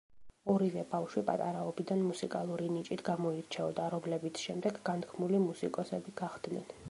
ორივე ბავშვი პატარობიდან მუსიკალური ნიჭით გამოირჩეოდა, რომლებიც შემდეგ განთქმული მუსიკოსები გახდნენ.